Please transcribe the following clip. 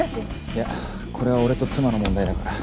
いやこれは俺と妻の問題だから。